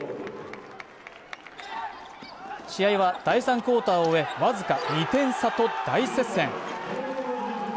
試合は第３クオーターを終え、僅か２点差と大接戦。